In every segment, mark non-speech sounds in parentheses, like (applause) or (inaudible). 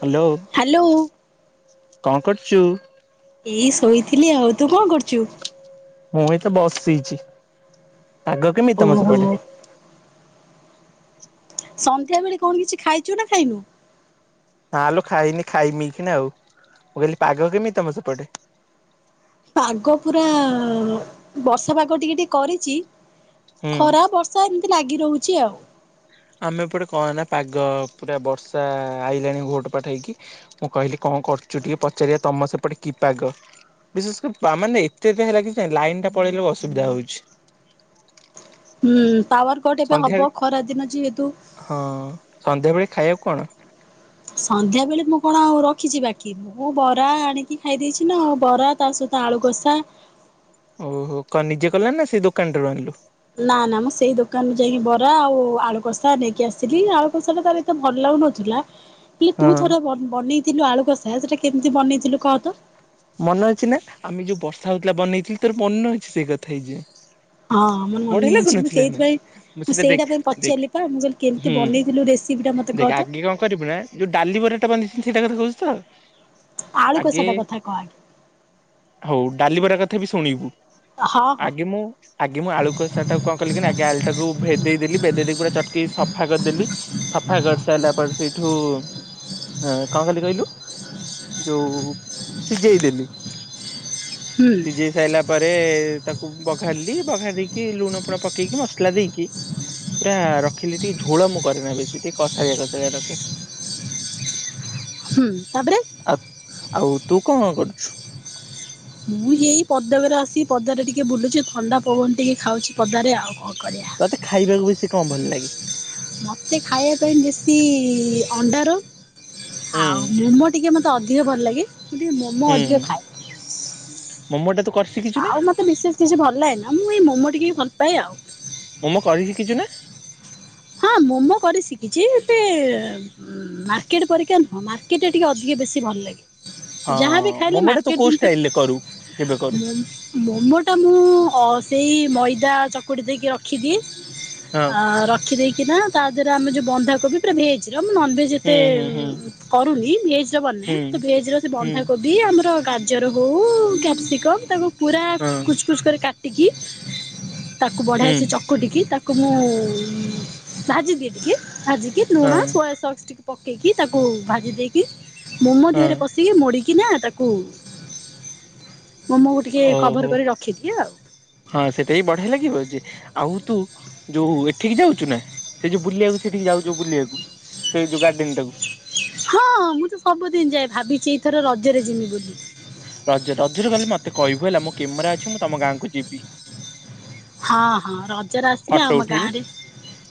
Hello hello କଣ କରଚୁ? ଏଇ ଶୋଇଥିଲି ଆଉ ତୁ କଣ କରୁଛୁ? ମୁଁ ଏଇ ତ ବସିଚି ପାଗ କେମିତି ତମ ଓହୋ ସେପଟେ? ସନ୍ଧ୍ୟା ବେଳେ କଣ କିଛି ଖାଇଛୁ ନା ଖାଇନୁ? ନା ଲୋ ଖାଇନି ଖାଇମି କି ନା ଆଉ ମୁଁ କହିଲି ପାଗ କେମିତି ତମ ସେପଟେ? ପାଗ ପୁରା ବର୍ଷା ପାଗ ଟିକେ ଟିକେ କରିଚି ହୁଁ ଖରା ବର୍ସ ର୍ଷା ଏମିତି ଲାଗି ରହୁଛି ଆଉ। ଆମେ ଏପଟେ କନା ପାଗ ପୁରା ବର୍ଷା ଆଇଲାଣି ଘୋଟ ପାଡ ହେଇକି। ମୁଁ କହିଲି କଣ କରୁଛୁ ଟିକେ ପଚାରିବା ତମ ସେପଟେ କି ପାଗ? ବିଶେଷକ ମାନେ ଏତେ ଏତ ହେଲା କି ଲାଇନ୍ ଟା ପଳେଇଲେ ଅସୁବିଧା ହଉଛି। ହୁଁ ପାୱାରକଟ ଏବେ ସନ୍ଧ୍ୟାବେଳେ ହବ ଖରା ଦିନ ଯେହେତୁ। ହଁ ସନ୍ଧ୍ୟାବେେଳେ ଖାଇବାକୁ କଣ? ସନ୍ଧ୍ୟା ବେଳେ ମୁଁ କଣ ଆଉ ରଖିଛି ବାକି ମୁଁ ବରା ଆଣିକି ଖାଇ ଦେଇଛି ନାଉ ବରା ତା ସହିତ ଆଳୁକଷା। ଓହୋ କନ୍ ନିଜେ କଲୁ ନା ସେ ଦୋକାନ ଟାରୁ ଆଣିଲୁ? ନା ନା ମୁଁ ସେଇ ଦୋକାନରୁ ଯାଇକି ବରା ଆଉ ଆଳୁ କଷା ନେଇକି ଆସିଥିଲି ଆଳୁ କଷା ଟା ତାର ଏ ତ ଭଲ ଲାଗୁନଥିଲା ହେଲେ ହଁ ତୁ ଥର ବନେଇଥିଲୁ ଆଳୁ କସା ସେଟା କେମିତି ବନେଇଥିଲୁ କହ ତ? ମନେ ଅଛି ନା ଆମେ ଯୋଉ ବର୍ଷା ହଉଥିଲା ବନେଇଥିଲି ତୋର ମନେ ଅଛି ସେଇ କଥା ଏ ଜାଇଁ। ହଁ ମୋର ମନେ ଅଛି ମୁଁ ସେଇଥିାଇଁ ମୁଁ ସେଟା ଦେଖ ସେଇଟା ପାଇଁ ଦେଖ ପଚାରିଲି ବା ମୁଁ କହିଲି କେମିତି ହୁଁ ବନେଇଥିଲୁ ରେସିପି ଟା ମତେ କହ ଦେଖ ତ ଆଗେ କଣ କରିବୁ ନା ଯୋଉ ଡାଲି ବରିଟା ବନ୍ଧିଛନ୍ତି ସେଇଟା (unintelligible) ତ। ଆଳୁ ଆଗେ କସା କଥା କହ ଆଗେ। ହଉ ଡାଲିିବରା କଥା ବି ଶୁଣିବୁ, ହଁ ହଁ ଆଗେ ମୁଁ ଆଗେ ମୁଁ ଆଳୁ କଷା ଟାକୁ କଣ କଲିି କିନା, ଆଗେ ଆଳୁ ଟାକୁ ଭେଦେଇଦେଲି ଭେଦେଇ ଦେଇକି ପୁରା ଚଟକି ସଫା କରିଦେଲି। ସଫା କରି ସାରିଲା ପରେ, ସେଇଠୁ କଣ କଲି କଇଲୁ। ଯୋଉ ସିଝେଇ ଦେଲି ହୁଁ ସିଝେଇ ସାଇଲା ପରେ ତାକୁ ବଘାଲି, ବଘାରିଦେଇକି ଲୁଣ ଫୁଣ ପକେଇକି ମସଲା ଦେଇକି ପୁରା ରଖିଲି ଟି ଝୋଳ ମୁଁ କରେନି ବେଶି ଟିକେ କଷାଳିଆ କଷାଳିଆ ରଖେ। ହୁଁ ତାପରେ। ଆ ଆଉ ତୁ କଣ କରୁଛୁ? ମୁଁ ଏଇ ପଦକରେ ଆସି ପଦାରେ ଟିକେ ବୁଲୁଛି, ଥଣ୍ଡା ପବନ ଟିକେ ଖାଉଛି ପଦାରେ ଆଉ। କଣ କରିବା ତତେ ଖାଇବାକୁ ବେଶୀ କଣ ଭଲ ଲାଗେ? ସେ ଖାଇବା ପାଇଁ ବେଶୀ-ଇ ଅଣ୍ଡା ରୋଲ୍ ହୁଁ ଆଉ ମୋମୋ ଟିକିଏ ମୋତେ ଅଧିକ ଭଲ ଲାଗେ, ମୁଁ ଟିକେ ମୋମୋ ଅଧିକ ଖାଏ। ମମୋ ଟା ତୁ କରି ଶିଖିଛୁ ନା? ମୋତେ ବିଶେଷ କିଛି ଭଲ ଲାଏ ନା, ମୁଁ ଏଇ ମୋମୋ ଟିକେ ଭଲପାଏ ଆଉ। ମୋମୋ କରି ଶିକିଛୁନା? ହଁ, ମୋମୋ କରି ଶିଖିଛି-ଇ, ଏତେ ମାର୍କେଟ ପରିକା ନୁ ହଁ, ମାର୍କେଟ ଟା ଟିକେ ଅଧିକ ବେଶୀ ଭଲ ଲାଗେ। ହଁ ଯାହାବି ଖାଇଲେ ମୋମୋ ଟା ତୁ ମାର୍କେଟ କୋଉ ଜିନିଷ, ଷ୍ଟାଇଲ ରେ କରୁ? କେବେ କରୁ ମୋ ମୋମୋ ତ ମୁଁ ଅ ସେଇ ମଇଦା ଚକୁଡ଼ି ଦେଇିକି ରଖିଦିଏ। ହଁ ଅ ରଖି ଦେଇ କିନା ତା, ଦେହରେ ଆମ ଯଉ ବନ୍ଧାକୋବି ପୁରା ଭେଜର ମୁଁ ନନଭେଜ୍ ହୁଁ ଯେତେ ହୁଁ ହୁଁ କରୁନି, ଭେଜର୍ ବନାଏ ହୁଁ ତ ଭେଜର୍ ସେ ହୁଁ ବନ୍ଧାକୋବ୍ ବି ଆମର ଗାଜର ହଉ, କ୍ୟାପସିକମ୍ ତାକୁ ପୁରା ହଁ କୁଚ୍ କୁଚ୍ କରି କାଟିକି, ତାକୁ ବଢିଆ ହୁଁ ସେ ଚକୁଟିକି ତାକୁ ମୁଁ- ଉଁ ଭାଜି ଦିଏ ଟିକେ, ଭାଜିିକି ଲୁଣ ହଁ ସୋୟା ସକ୍ସ୍ ଟିକେ ପକେଇକି, ତାକୁ ଭାଜି ଦେଇକି କି ମୋମୋ ହଁ ଦେହରେ ପଶିକି ମୋଡ଼ିକିନା ତାକୁ ମୋମୋକୁ ଟିକେ କଭର ଓହୋ! କରି ରଖିଦିଏ ଆଉ। ହଁ ସେଟା ବି ବଢିଆ ଲାଗିବ ଯେ, ଆଉ ତୁ ଯୋଉ ଏଠିକି ଯାଉଛୁ ନା, ସେ ଯୋଉ ବୁଲିବାକୁ ସେଠିକି ଯାଉ ବୁଲିବାକୁ, ସେ ଯୋଉ ଗାର୍ଡେନ ଟାକୁ। ହଁ, ମୁଁ ତ ସବୁଦିନ ଯାଏ। ଭାବିଛିି, ଏଇଥର ରଜରେ ଯିମି ବୋଲି। ରଜ ରଜରେ ଗଲେ, ମତେ କହିବୁ ହେଲା। ମୋ କେମେରା ଅଛି, ମୁଁ ତମ ଗାଁ କୁ ଯିବି। ହଁ, ହଁ ରଜର ଆସିଲେ ଆମ ଗାଁରେ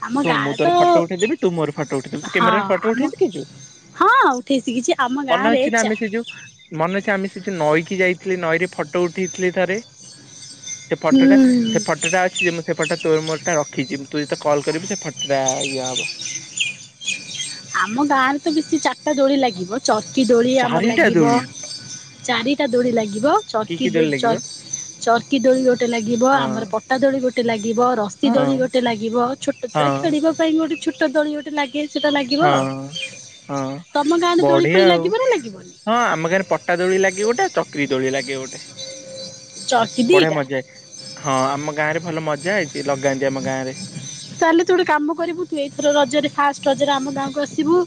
ଆମ ଶୁଣ ମୁଁ ଗାଁରେ ତୋର ଫଟୋ ଉଠେଇଦବିୁ। ତୁ ମୋର ଫଟୋ ଉଠେଇ ତ ଦବୁ୍। ତୁ ହଁ କ୍ୟାମେରା ରେ ଫଟ ଆମ ଉଠେଇ ଶିକିଛୁ? ହଁ, ଉଠେଇ ଶିଖିଛି। ଆମ ଗାଁ ରେ ଆମେ ଚା ସେ ଯୋଉ ମନେ ଅଛି! ଆମେ ସେଠି ନଈକି ଯାଇଥିଲେ, ନଈରେ ଫଟୋ ଉଠେଥିଲେ ଥରେ। ସେ ଫଟ ଟା ହୁଁ ସେ ଫଟ ଟା ଅଛି ଯେ, ମୁଁ ସେ ଫଟୋ ତୋର ମୋର ଟା ରଖିଛିି ତୁ ଯେତେ କଲ୍ କରିବୁ, ସେ ଫଟ ଟା ଇଏ ହବ। ଆମ ଗାଁରେ ତ ବେଶୀ ଚାରିଟା ଦୋଳି ଲାଗିବ। ଚର୍କି ଦୋଳି ଆମର ଚାରିଟା ଲାଗିବ। ଦୋଳି ଚାରିଟା ଦୋଳି ଲାଗିବ। କି ଚର୍କି କି ଦୋ ଦୋଳି ଲାଗିବ ଚର୍କ ଚର୍କି ଦୋଳି ଗୋଟେ ଲାଗିବ, ହଁ ଆମର ପଟା ଦୋଳି ଗୋଟେ ଲାଗିବ, ରସି ହଁ ଦୋଳି ଗୋଟେ ଲାଗିବ। ଛୋଟ ଛୁଆ ହଁ ଖେଳିବା ପାଇଁ ଗୋଟେ ଛୋଟ ଦୋଳି ଗୋଟେ ଲାଗେ। ସେଇଟା ଲାଗିବ ଆଉ, ହଁ। ହଁ ତମ ଗାଁରେ ଦୋଳି ବଢିଆ ଫୋଳି ଆଉ ଲାଗିବ ନା ଲାଗିବନି? ହଁ, ଆମ ଗାଁରେ ପଟା ଦୋଳି ଲାଗେ ଗୋଟେ। ଚକ୍ରି ଦୋଳି ଲାଗେ ଗୋଟେ। ଚର୍କି ବଢିଆ ଦିଟା ମଜା ହଏ, ହଁ ଆମ ଗାଁ ରେ ଭଲ ମଜା ହଏ ଯେ, ଲଗାନ୍ତି ଆମ ଗାଁ ରେ। ତାହେଲେ ତୁ ଗୋଟେ କାମ କରିବୁ କି ତୁ! ଏଇଥର ରଜରେ ଫାଷ୍ଟ ରଜରେ ଆମ ଗାଁକୁ ଆସିବୁ।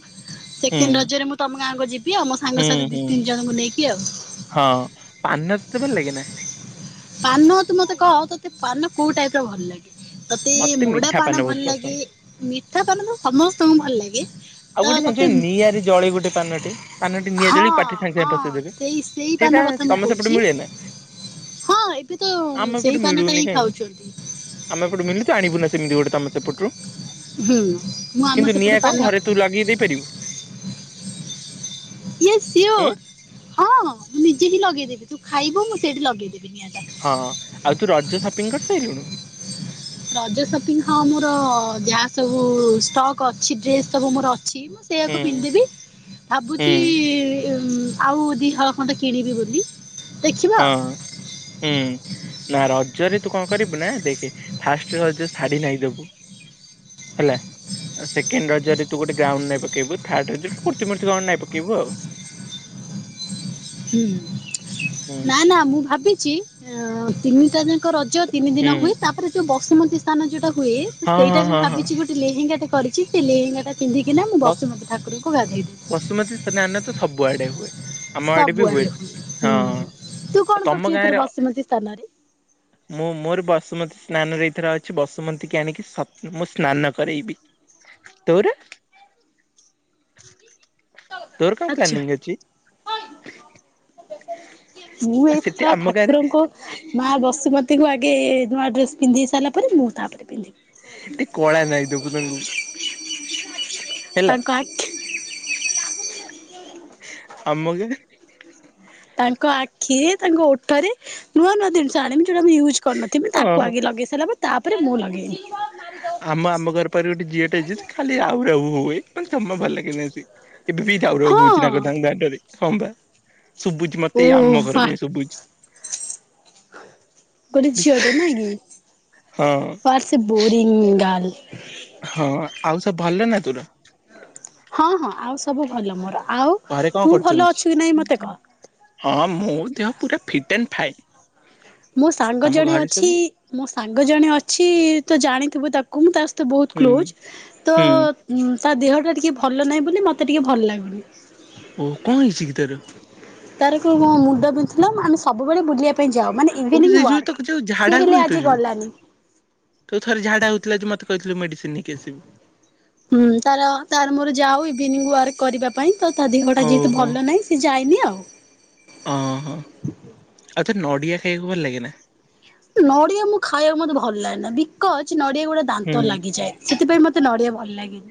ହୁଁ। ସେକେଣ୍ଡ ରଜରେ ମୁଁ ତମ ଗାଁକୁ ଯିବି, ଆଉ ମୋ ହୁଁ ସାଙ୍ଗସାଥି ଦି ହୁଁ ତିନି ଜଣଙ୍କୁ ନେଇକି ଆଉ। ହଁ, ପାନ ତତେ ଭଲ ଲାଗେ ନା? ପାନ ତୁ ମତେ କହ, ତୋତେ ପାନ କୋଉ ଟାଇପ୍ ର ଭଲ ଲାଗେ? ତତେ ମତେ ମୋଡା ମିଠା ପାନ ଭଲ ବହୁତ ଲାଗେ, ପସନ୍ଦ। ମିଠା ପାନ ତ ସମସ୍ତଙ୍କୁ ଭଲ ଲାଗେ। ଆଉ ତ ଗୋଟେ ତତେ (unintelligible) ନିଆଁରେ ଜଳେ ଗୋଟେ ପାନଟେ? ପାନଟି ନିଆଁ ଜଳିକି ହଁ, ପାଟିରେ ସାଙ୍ଗେ ସାଙ୍ଗେ ହଁ, ପସେଇଦେବେ ସେଇ ସେଇ ସେଇଟା ପାନ କଥା ମୁଁ ତମ ସେପଟେ କହୁଛି। ମିଳେ ନା ହଁ, ଏବେ ତ ସେଇ ପାନ ଟା ହିଁ ଖାଉଛନ୍ତି। ଆମ ଏପଟୁ ମିଳୁନି ତ! ଆଣିବୁ ନା ସେମତି ଗୋଟେ ତମ ସେପଟରୁ। ହୁଁ ମୁଁ ଆମ କିନ୍ତୁ, ସେପଟୁ ନିଆଁ ପାନ କଣ ଘରେ ତୁ ଲଗେଇ ଦେଇ ପାରିବୁ! ୟେସ୍ ଉଁ ସିଓର ହଁ, ମୁଁ ନିଜେ ହିଁ ଲଗେଇଦେବି। ତୁ ଖାଇବୁ ମୁଁ ସେଇଠି ଲଗେଇଦେବି ନିଆଁଟା। ହଁ, ଆଉ ତୁ ରଜ ସପିଂ କରିସାଇଲୁଣୁ? ରଜ ସପିଙ୍ଗ୍ ହଁ, ମୋର ଯାହା ସବୁ ଷ୍ଟକ୍ ଅଛି, ଡ୍ରେସ୍ ସବୁ ମୋର ଅଛି (inaudible) ହୁଁ ସେୟାକୁ ପିନ୍ଧିବି ହୁଁ ଭାବୁଛି-ଇ ଇମ୍ ଆଉ ଦି ହଳ ଖଣ୍ଡେ କିଣିବି ବୋଲି। ଦେଖିବା ହଁ। ଆଉ। ହୁଁ, ନା ରଜରେ ତୁ କଣ କରିବୁ ନା, ଦେଖେ ଫାଷ୍ଟରେ ରଜ ଶାଢୀ ନାଇଦବୁ। ହେଲା। ସେକଣ୍ଡ ରଜରେ ତୁ ଗୋଟେ ଗାଉନ୍ ନାଇ ପକେଇବୁ, ଥାର୍ଡ ରଜ କୁର୍ତ୍ତିମୂର୍ତି କଣ ନାଇ ପକେଇବୁ ଆଉ। ହୁଁ ହୁଁ ନା ନା ମୁଁ ଭାବିଛି ତିନିଟା ଯାଙ୍କ ରଜ ତିନି ଦିନ ହୁଁ ହୁଏ ତାପରେ ଯୋଉ ବସୁମତୀ ସ୍ଥାନ ଯୋଉଟା ହୁଏ ହଁ ହଁ ସେଇଟା ବି ହଁ ହଁ ଭାବିଛି ଗୋଟେ ଲେହେଙ୍ଗା ଟା କରିଛି ସେ ଲିହିଙ୍ଗାଟା ପିନ୍ଧିକିନା ମୁଁ ବସ ବସୁମତୀ ଠାରଙ୍କୁ ଗାଧେଇଦବି। ବସୁମତୀ ସ୍ନାନ ତ ସବୁଆଡେ ହୁଏ। ଆମ ଆଡେ ବି ହୁଏ ସବୁଆଡେ ହୁଁ ହଁ ତୁ କଣ ଆଉ କରୁଛୁ ତମ ଏଥର ଗାଁରେ? ବସୁମତୀ ସ୍ଥାନରେ? ମୁଁ ମୋର ବସୁମତୀ ସ୍ନାନରେ ଏଇଥର ଅଛି ବସୁମତୀ କି ଆଣିକି ମୁଁ ସ୍ନାନ କରେଇବି। ତୋର। ତୋର କଣ ଆଚ୍ଛା। ପ୍ଲାନିଂ ଅଛି? ମୁଁ ଆଉ ଏଇଥ ସେଠି ତ ଆମ ଗାଁରେ ଠାକୁରଙ୍କୁ ମା ବସୁମତି ତାେକୁ ଆଗେ ନୂଆ ଡ୍ରେସ୍ ପିନ୍ଧି ସାରିଲା ପରେ ମୁଁ ତା ପରେ ପିନ୍ଧିବି। ଟିକେ କଳା ନାଇଁ ଦବୁ ତାଙ୍କୁ। ତାଙ୍କ। ଆଖି ଆମକୁ। ତାଙ୍କ ଆଖିରେ ତାଙ୍କ ଓଠରେ ନୂଆ ନୂଆ ଜିନିଷ ଆଣିବି ଯୋଉଟା ମୁଁ ୟୁ କରିନଥିବି ତାକୁ ହଁ ଆଗ ଲଗେଇ ସାରିଲା ତାପରେ ମୁଁ ଲଗେଇବି। ଆମ ଆମ ଘର ପାଖେ ଗୋଟେ ଝିଅଟା ଅଛି ସେ ଖାଲି ଆହୁରି ଆଉ ହଉ ଭାଇ ମେ ଜମା ଭଲ ଲାଗେନି ଆସି ଏବେ ବି ରାଉ ରାଉ ହଉଛି ନା ହଁ କ ତାଙ୍କ ଦାଣ୍ଡରେ ହଁ ବା ଶୁଭୁଛି ଓ ମତେ ଏଇ ଆମ ଘର ବା ଯାଇ ଶୁଭୁଛି। ଗୋଟେ ଝିଅଟେ ନ କି ହଁ ପ ସେ ବୋରିଂ ଗାର୍ଲ୍। ହଁ ଆଉ ସବ ଭଲ ନା ତୋର। ହଁ ହଁ ଆଉ ସବୁ ଭଲ ମୋର ଆଉ ଘରେ କଣ ତୁ ଭଲ କରୁଛନ୍ତି? ଅଛୁ କି ନାଇଁ ମତେ କହ। ହଁ ମୋ ଦେହ ପୁରା ଫିଟ୍ ଆଣ୍ଡ ଫାଇନ୍। ମୋ ସାଙ୍ଗ ତମ ଜଣେ ଘରେ ଅଛି ସବୁ ମୋ ସାଙ୍ଗ ଜଣେ ଅଛି ତ ଜାଣିଥିବୁ ତାକୁ ମୁଁ ତ ସହିତ ବହୁତ ହୁଁ କ୍ଲୋଜ ତ ହୁଁ ହୁଁ ତା ଦେହ ଟା ଟିକେ ଭଲ ନାହିଁ ବୋଲି ମତେ ଟିକେ ଭଲ ଲାଗୁନି। ଓ କ ଣ ହେଇଛି କି ତାର? ତାରକୁ ମୁଣ୍ଡ ବିନ୍ଧୁ ଥିଲା ଆମେ ସବୁବେଳେ ବୁଲିବା ପାଇଁ ଯାଉ ମାନେ ଓ ଇଭିନିଂ ସେ ଯୋଉ ତ ୱାର୍କ ଯୋଉ ସିଏ ହେଲେ ଆଜି ଗଲାନି। ତୁ ଥରେ ଝାଡ଼ା ହଉଥିଲା ଯେ ମତେ କହିଥିଲୁ ମେଡିସିନ ନେଇକି ଆସିବୁ। ହୁଁ ତାର ତାର ମୋର ଯାଉ ଇଭିନିଂ ୱାର୍କ କରିବା ପାଇଁ ତ ତା ଦେହଟା ଯେହେତୁ ଓହୋ ଭଲ ନାହିଁ ସେ ଯାଇନି ଆଉ। ଓ ହ ଆଉ ତ ନଡିଆ ଖାଇକୁ ଭଲ ଲାଗେ ନା? ନଡ଼ିଆ ମୁଁ ଖାଇବାକୁ ମତେ ଭଲ ଲାଗେ ନା ବିକଜ ନଡ଼ିଆ ଗୁଡ଼ା ଦାନ୍ତ ହୁଁ ରେ ଲାଗିଯାଏ। ସେଥିପାଇଁ ମତେ ନଡ଼ିଆ ଭଲ ଲାଗେନି।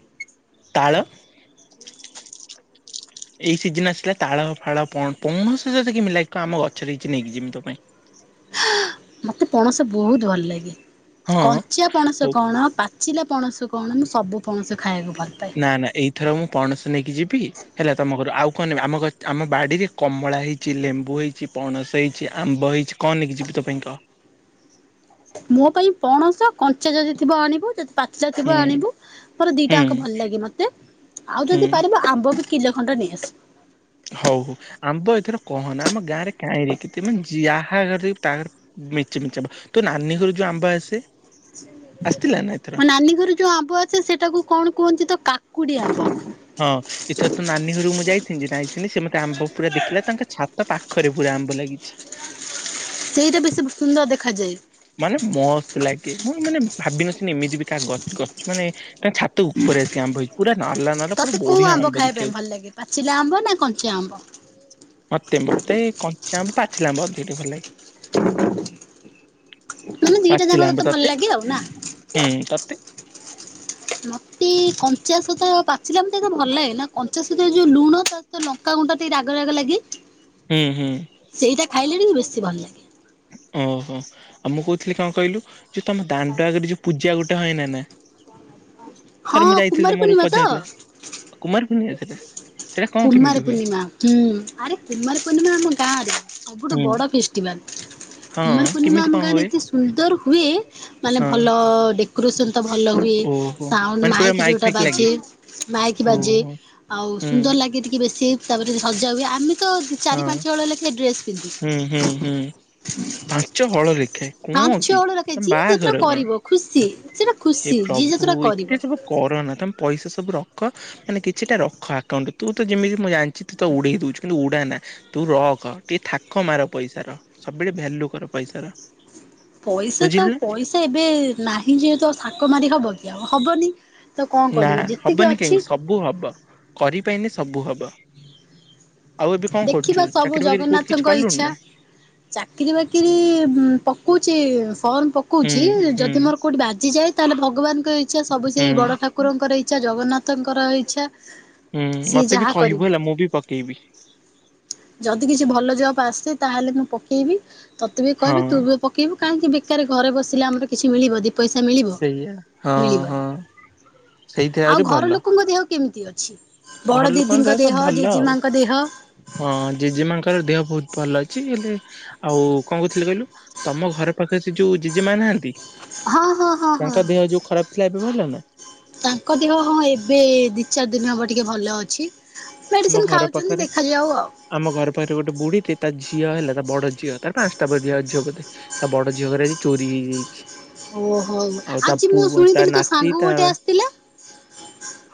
ତାଳ। ଏଇ ସିଜିନ ଆସିଲା ତାଳ ଫାଳ ପଣ ପୌଣଶ ଯତ କେମିତି ଲାଗିବ ଆମ ଗଛରେ କିଛି ନେଇକିଜିମି ତୋ ପାଇଁ। ମୋତେ ପଣସ ବହୁତ ଭଲ ଲାଗେ ହଁ କଞ୍ଚା ପଣସ ହଉ କଣ ପା ପଚିଲା ପଣସ କଣ ମୁଁ ସବୁ ପଣସ ଖାଇବାକୁ ଭଲପାଏ। ନା ନା ଏଇଥର ମୁଁ ପଣସ ନେଇକି ଯିବି। ହେଲା ତମ ଘରୁ ଆଉ କଣ ନେବେ ଆମ ଆମ ବାଡିରେ କମଳା ହେଇଛି ଲେମ୍ବୁ ହେଇଛି ପଣସ ହେଇଛି ଆମ୍ବ ହେଇଛି। କଣ ନେଇକି ଯିବି ତୋ ପାଇଁ କ। ମୋ ପାଇଁ ପଣସ କଞ୍ଚା ଯଦି ଥିବ ଆଣିବୁ ଯଦି ପା ଟା ଥିବ ହୁଁ ଆଣିବୁ ମୋର ହୁଁ ଦିଟାଙ୍କ ଭଲ ଲାଗେ ମତେ ଆଉ ହୁଁ ଯଦି ପାରିବ ଆମ୍ବ ବି କିଲୋ ଖଣ୍ଡ ନେଇଆସିବୁ। ହଉ ହଉ ଆମ୍ବ ଏଥର କହନା ଆମ ଗାଁରେ କାହିଁର କେତେ ମାନେ ଯାହା ଘରେ ଦେଖିବୁ ତା ମିଚି ମିଚି ଆମ୍ ତ ନାନୀ ଘର ଯୋଉ ଆମ୍ବ ଆସେ। ଆସିଥିଲା ନା ଏଥର? ମ ନାନୀ ଘରୁ। ଯୋଉ ଆମ୍ବ ଆସେ ସେଟାକୁ କଣ କୁହନ୍ତି ତ କାକୁଡି ଆମ୍ୱ। ହଁ। ଏଥର ତ ନାନୀ ଘରୁ ମୁଁ ଯାଇଥିଲି ନାଇଁଥିଲି ସେ ମତେ ଆମ୍ବ ପୁରା ଦେଖିଲା ତାଙ୍କ ଛାତ ପାଖରେ ପୁରା ଆମ୍ବ ଲାଗିଛି। ସେଇଟା ବେଶୀ ସୁନ୍ଦର ଦେଖାଯାଏ। ମାନେ ମସ୍ତ ଲାଗେ ମୁଁ ମାନେ ଭାବିନଥିଲି ଏମିତି ବି କାହା ଗ ଗଛ ମାନେ ତାଙ୍କ ଛା ତ ଉପରେ ଆସିକି ଆମ୍ବ ହେଇଛି, ପୁରା ନାଲା ନାଲା ପୁରା ତତେ କୋଉ ବଢିଆ ଆମ୍ବ ଖାଇବା ପାଇଁ ଦେଖିବାକୁ। ଭଲ ଲାଗେ ପାଚିଲା ଆମ୍ବ ନା କଞ୍ଚା ଆମ୍ବ? ମତେ ମତେ କଞ୍ଚା ଆମ୍ବ ପାଚିଲା ଆମ୍ବ ଅଧିକ ଟିକେ ଭଲ ଲାଗେ। ମାନେ ଦିଟା ଯାକ ପାଚିଲା ଆମ୍ବ, ଭଲ ତତେ ଲାଗେ ଆଉ ନା। ହୁଁ ତତେ? ମତେ କଞ୍ଚା ସହିତ ପାଚିଲା ମତେ ଏତେ ଭଲ ଲାଗେ ନା, କଞ୍ଚାସ ଯୋଉ ଲୁଣ ତା ତ ଲଙ୍କା ଗୁଣ୍ଡ ଟିକେ ରାଗ ରାଗ ଲାଗେ। ହୁଁ, ହୁଁ। ସେଇଟା ଖାଇଲେ ବି ବେଶୀ ଭଲ ଲାଗେ। ଓହୋଃ! ଆଉ ମୁଁ କହୁଥିଲି କଣ କହିଲୁ, ଯୋଉ ତମ ଦାଣ୍ଡ ଆଗରେ ଯୋଉ ପୂଜା ଗୋଟେ ହଇନା ନା, ହଁ ଥରେ ମୁଁ କୁମାର ଯାଇଥିଲି ମୋର ଗୋଟେ ପୂର୍ଣ୍ଣିମା ଉପାଧ୍ୟାୟ ଥିଲା। ତ? କୁମାର ପୂର୍ଣ୍ଣିମା ସେଟା। କୁମାର ପୂର୍ଣିମା ହୁଁ ଆରେ କୁମାର ପୂର୍ଣିମା ଆମ ଗାଁରେ। ସବୁଠୁ ହୁଁ ବଡ ଫେଷ୍ଟିଭାଲ। ହଁ କୁମାର ପୂର୍ଣ୍ଣିମା କେମିତି ଆମ କଣ ଗାଁରେ ହୁଏ? ଏତେ ସୁନ୍ଦର ହୁଏ, ମାନେ ହଁ ଭଲ ଡେ କୋରେସନ୍ ତ ଭଲ ହୁଏ। ଓହୋ ସାଉଣ୍ଡ ମାନେ ପୁରା ମାଇକ୍ ଯୋଉଟା ଫାଇକ୍ ଲାଗେ ବାଜେ ମାଇକ୍ ବାଜେ, ଓହୋ ହୁଁ ଆଉ ସୁନ୍ଦର ଲାଗେ ଟିକେ ବେଶୀ ତାପରେ ସଜା ହୁଏ, ଆମେ ତ ଚାରି ହଁ। ପାଞ୍ଚ ହଳ ଲେଖାଏ ଡ୍ରେସ୍ ପିନ୍ଧୁ। ହୁଁ ହୁଁ ହୁଁ ପାଞ୍ଚ ହଳ ଲେଖାଏ କଣ ପାଞ୍ଚ କି ହଳ ଲେଖାଏଁ ତମ ଯିଏ ଯେତେଟା ବାହାଘର କଣ? କରିବ ଖୁସି ସେଟା ଖୁସି ଯିଏ ଯେତେଟା କରିବ। କର ନା ତମେ ପଇସା ସବୁ ରଖ ମାନେ କିଛିଟା ରଖ ଆକାଉଣ୍ଟରେ, ତୁ ତ ଯେମିତି ମୁଁ ଜାଣି ଛି, ତୁ ତ ଉଡେଇ ଦଉଛୁ କିନ୍ତୁ ଉଡ଼ାନା। ତୁ ରଖ ଟିକେ ଥାକ ମାର ପଇସାର, ସବୁ ବେଳେ ଭାଲ୍ୟୁ କର ପଇସାର। ପଇସା ତ ବୁଝିଲୁ ପଇସା ଏବେ ନାହିଁ ଯେହେତୁ ଆଉ ଥାକ ମାରି ହବ କି ଆଉ ହବନି। ତ କଣ କରିବ, ଯେତିକି ଅଛି ବୁ ହବ କରିପାଇଲେ ସବୁ ହବ। ଆଉ ଏବେ କଣ କରୁଛୁ ଦେଖିବା ସବୁ ଚାକିରି ବାକିରି କୋଉଠି କିଛି ଜଗନ୍ନାଥଙ୍କ କଲୁଣି ଇଚ୍ଛା। ନା ଚାକିରୀ ବାକିରୀ ପକଉଛି ଫର୍ମ ହୁଁ ପକଉଛି, ହୁଁ ଯଦି ମୋର କଉଠି ବାଜିଯାଏ ତାହେଲେ ଭଗବାନଙ୍କ ଇଚ୍ଛା, ସବୁ ସେ ହୁଁ ବଡ ଠାକୁରଙ୍କର ଇଚ୍ଛା, ଜଗନ୍ନାଥଙ୍କର ଇଚ୍ଛା। ହୁଁ, ସିଏ ମତେ ବି ଯାହା କହିବୁ କରିବେ ହେଲା ମୁଁ ବି ପକେଇବି। ଯଦି କିଛି ଭଲ ଜବ୍ ଆସେ ତାହେଲେ ମୁଁ ପକେଇବି ତତେ ବି ହଁ କହିବି, ତୁ ବି ପ କେଇବୁ, କାହିଁକି ବେକାର ଘରେ ବସିଲେ ଆମର କିଛି ମିଳିବ ଦୁଇ ପଇସା ମିଳିବ, ସେଇଆ ହଁ ହଁ ମିଳିବନି। ସେଇଥି ଆଉ ଆହୁରି ଘର ଭଲ ଲୋକଙ୍କ ଦେହ କେମିତି ଅଛି ଘର ବଡ଼ ଲୋକଙ୍କ ଦିଦିଙ୍କ ସବୁ ଦେହ, ଭଲ ଆଉ ଜେଜେମାଙ୍କ ଦେହ? ହଁ, ଜେଜେମାଙ୍କର ଦେହ ବହୁତ ଭଲ ଅଛି। ହେଲେ ଆଉ କଣ କହୁଥିଲି କହିଲୁ, ତମ ଘର ପାଖରେ ସେ ଯୋଉ ଜେଜେ ମା ନାହାନ୍ତି? ହଁ ହଁ ହଁ ହଁ। ତାଙ୍କ ଦେହ ଯୋଉ ଖରାପ ଥିଲା ଏବେ ଭଲ ନା? ତାଙ୍କ ଦେହ ହଁ ଏବେ ଦି ଚାରି ଦିନ ହବ ଟିକେ ଭଲ ଅଛି। ଆମ ମେଡିସିନ ଘର ଖାଉଛନ୍ତି ପାଖରେ ଦେଖାଯାଉ ଆଉ। ଆମ ଘର ପାଖରେ ଗୋଟେ ବୁଢୀଟେ ତା ଝିଅ ହେଲା ତା ବଡ ଝିଅ ତାର ପାଞ୍ଚଟା ବା ଝିଅ ଝିଅ ବୋଧେ। ତା ବଡ ଝିଅ ଘରେ ଆଜି ଚୋରି ହେଇଯାଇଛି। ଓହୋଃ! ଆଉ ତା ଆଜି ମୁଁ ପୁଅ ତା ଶୁଣିଥିଲି ତୋ ନାତି ସାଙ୍ଗ ତା ଗୋଟେ ଆସିଥିଲା।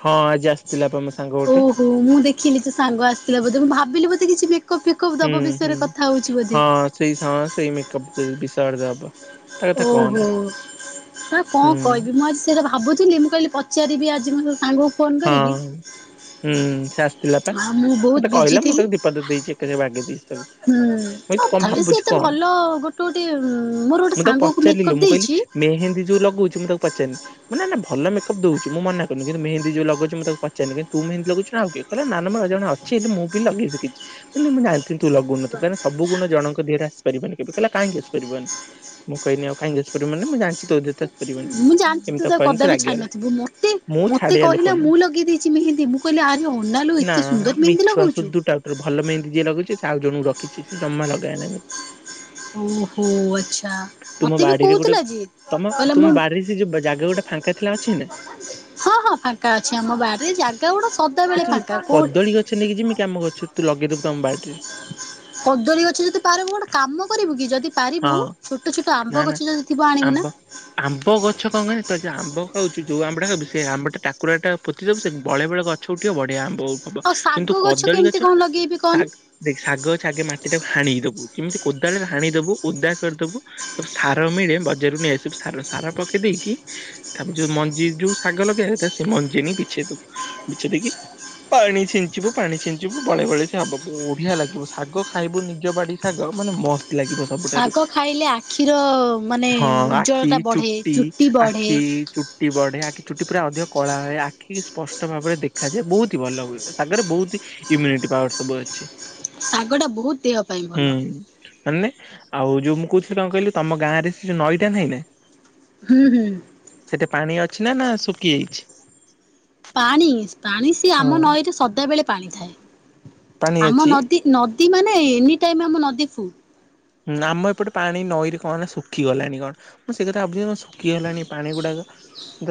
ହଁ, ଆଜି ଆସିଥିଲା ତମ ଓହୋଃ! ମୁଁ ଦେଖିଲି ତୋ ସାଙ୍ଗ ଆସିଥିଲା ବୋଧେ ମୁଁ ଭାବିଲି ବୋଧେ କିଛି ମେକପ୍ ଫେ କପ୍ ହୁଁ ଦବ ହୁଁ ବିଷୟରେ କଥା ହଉଛି ବୋଧେ। ହଁ ସେଇ ହଁ ସେଇ ମେକଅପ୍ ବିଷୟରେ ଦବ। ତା କଥା କହନା ଓହୋଃ! ତାକୁ ହୁଁ କଣ କହିବି ମୁଁ ଆ ସେଇଟା ଭାବୁିଥିଲି, ମୁଁ କହିଲି ପଚାରିବି ଆଜି ମୁଁ ସାଙ୍ଗକୁ ଫୋନ ହଁ କରିକି, ହୁଁ ସେ ଆଉ ମୁଁ ବହୁତ ବିଜି ଥିଲି। ପଦେ ଦେଇଛି, ଏକ ଥରେ ବାଗେଇ ଦେଇଛି। ତାକୁ। ହୁଁ, ମୁଁ କହିଲି ତୁ କଣ ତଥାବି ସିଏ ଭାବୁଛୁ ଏତେ କଣ? ଭଲ ଗୋଟେ ଗୋଟେ ମୋର ଗୋଟେ ସାଙ୍ଗକୁ ମେକ୍ଅପ୍ ଦେଇଛି। ମେହେନ୍ଦି ଯୁ ଲଗଉଛୁ ମୁଁ ତାକୁ ପଚାରିନି। ନାନା ଭଲ ମେକଅପ୍ ଦଉଛି ମୁଁ ମନା କରୁନି କିନ୍ତୁ ମେହେ। ଦି ଯୁ ଲଗଉଛି ତାକୁ ପଚାରିନି ତୁ ମେହେନ୍ଦି ଲଗଉଛି କି ଆଉ କିଏ କହିଲା ନା ନା ମୋର ଜଣ ଅଛି ମୁଁ ବି ଲଗେଇଛି କିଛି। କହିଲି ମୁଁ ଜାଣିଥିଲି ତୁ ଲଗଉନଥିବୁ କାହିଁକି ନା ସବୁ ଗୁଣ ଜଣଙ୍କ ଦେହରେ ଆସି ପାରିବନି କେବେ କହିଲା କାହିଁକି ଆସିପାରିବନି ମୁଁ କହିଁନି ଆଉ କାହିଁକି ଆସିପାରିବନି ମାନେ ମୁଁ ଜାଣିଛି ତୋ ଦେହରେ ତ ପାରିବନି ମୁଁ ଜାଣିଛି ଏମିତି ତୁ ତ ତାକୁ କହିଲି ସେ କଦାପି ଛାଡି ରାଗିଗଲା ନଥିବୁ ମତେ ମୁଁ ମତେ ଛାଡିବା ଲୋ କହିଲା ମୁଁ ଲଗେଇ ଦେଇଛି ମେହେନ୍ଦୀ ମୁଁ କହିଲି ଆରେ ଅନାଲୋ ନା ଏତେ ସୁନ୍ଦର ମେହେନ୍ଦୀ ମିଛୁଆ ଲଗଉଛୁ। ସଦୁଟାଉଟର ଭଲ ମେହେନ୍ଦୀ ଯିଏ ଲଗଉଛି ଆଉ ଜଣଙ୍କୁ ରଖିଛି ସେ ଜମା ଲଗାଏ ନା ନି। ଓହୋ ଆଚ୍ଛା ମତେ ବି କହୁଥିଲା ଯେ କହିଲା ମୁଁ ଆରେ ସେ ଯୁ ବା ଜାଗ ଗୋଡା ଫାଙ୍କା ଥିଲା ଅଛି ନା? ହଁ ହଁ ଫାଙ୍କା ଅଛି ଆମ ବାଡିରେ ଜାଗା ଗୋଟା ସଦା ଏଠି ଯୁ କଦଳୀ ଗଛ ନେଇକି ଯିବିକୀ ଆମ୍ ଗଛ ରୁ ତୁ ଲଗେଇଦବୁ ତମ ବାଡିରେ। କଦଳୀ ଗଛ ଯଦି ପାରିବୁ ଗୋଟେ କାମ କରିବୁ କି ଯଦି ହଁ ପାରିବୁ ଛୋଟ ଛୋଟ ନା ଆମ୍ବ ନା ଗଛ ଯଦି ଥିବ ଆଣିବୁ ଆମ୍ବ ନା। ଆମ୍ବ ଗଛ କଣ କହ ତ ଆମ୍ବ ଖାଉଛୁ ଯୋଉ ଆମ୍ୱ ଟା ଖଇବୁ ସେ ଆମ୍ବଟା ଟାକୁ ଟା ପୋତି ଦବୁ ସେ ବଳେ ବେଳେ ଗ ଛୋଟିଆ ବଢିଆ ଆମ୍ବ ହବ ଆଉ କିନ୍ତୁ ଶାଗ କଦଳୀ କେମିତି ଗଛ କଣ ଲଗେଇବି ସା କହନି? ଦେଖେ ଶାଗେ ଗଛ ମାଟି ଟାକୁ ହାଣି ଦବୁ କେମିତି କୋଦାଳ ହାଣି ଦବୁ ଓଦା କରିଦବୁ। ସାର ମିଳେ ବଜାରରୁ ନେଇ ଆସିବୁ ସାର ସାର ପକେଇ ଦେଇକି। ତାପ ଯଉ ମଞ୍ଜି ଯୋଉ ଶାଗ ଲଗେଇ କଥା ସେ ମଞ୍ଜି ନେଇ ବିଛେଇ ଦବୁ ବିଛେଇ ଦେଇକି ପାଣି ଛିଞ୍ଚିବୁ ପାଣି ଛିଞ୍ଚିବୁ ବଳେ ବଳେ ସେ ହବ ବଢିଆ ଲାଗିବୁ ଶାଗ ଖାଇବୁ ନିଜ ବାଡି ସାଗ ମାନେ ମସ୍ତ ଲାଗିବ ସବୁଠାରୁ ଶାଗ ଖାଇଲେ ଆଖିର ମାନେ ହଁ ଆଖି ଉଜ୍ଜଳତା ବଢେ ଚୁଟି ବଢେ। ଆଖି ଚୁଟି ବଢେ ଆଖି ଚୁଟି ପୁରା ଅଧିକ କଳା ହୁ। ଆଖି ସ୍ପଷ୍ଟ ସ୍ପଷ୍ଟ ଭାବରେ ଦେଖାଯାଏ। ବହୁତ ହି ଭଲ ହୁଏ ସାଗରେ ବହୁତି ଇମ୍ୟୁନିଟି ପାୱାର ସବୁ ଅଛି। ଶାଗ ଟା ବହୁତୁ ଦେହ ପାଇଁ ଭଲ। ହୁଁ ମାନେ ଆଉ ଯୋଉ ମୁଁ କହୁଥିଲି କଣ କହିଲି ତମ ଗାଁରେ ସେ ଯୋଉ ନଈଟା ନାହିଁ ନା ହୁଁ ହୁଁ। ସେଇଟା ପାଣି ଅଛି ନା ନା ଶୁଖି ଯାଇଛି? ପାଣି ପାଣି ସିଏ ହଁ ଆମ ନଈରେ ସଦାବେଳେ ପାଣି ଥାଏ। ପାଣି ଆମ ଅଛି ନଦୀ ନଦୀ ମାନେ ଏନି ଟାଇମ ଆମ ନଦୀ ଫୁ ହୁଁ ଆମ ଏପଟେ ପାଣି ନଈରେ କଣ ନା ଶୁଖିଗଲାଣି କଣ? ମୁଁ ସେ କଥା ଭାବୁଛିି ଶୁଖିଗଲାଣି ପାଣି ଗୁଡାକ।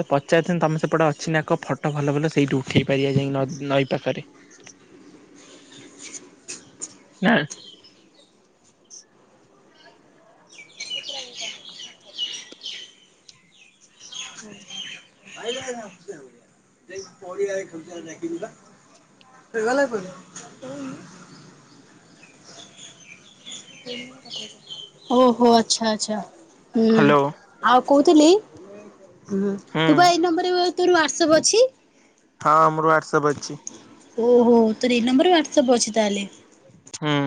ପଚାରି ଥାନ୍ତି ତମେ ସେପଟେ ଅଛି ନା କ ଫଟୋ ଭଲ ଭଲ ସେଇଠି ଉଠେଇ ପାରିବା ଯାଇକି ନ ନଈ ପାଖରେ। ନାଁ। ଭାଇ ଆସୁଆ ଯ ପରଆ ଦେଖି ବା। (unintelligible) ସେଗଲା ପ। (unintelligible) ଓହୋ ଆଛା ଆଛା। ହୁଁ ହ୍ୟାଲୋ ଆଉ କହୁଥିଲିଁ ହୁଁ ତୁ ବା ଏଇ ନମ୍ବରରେ ତୋର ହ୍ୱାଟ୍ସପ ଅଛି? ହଁ ମୋର ହ୍ୱଟ୍ସପ୍ ଅଛି। ଓହୋ ତ ଏଇ ନମ୍ବର ହ୍ୱଟ୍ସପ୍ ଅଛି ତା ହେଲେ। ହୁଁ।